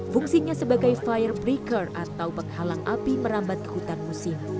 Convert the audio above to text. fungsinya sebagai firebreaker atau penghalang api merambat ke hutan musim